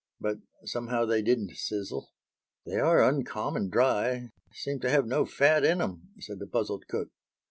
But somehow they didn't sizzle. "They are uncommon dry; seem to have no fat in 'em," said the puzzled cook.